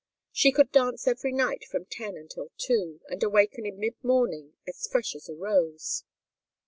She could dance every night from ten until two, and awaken in mid morning as fresh as a rose.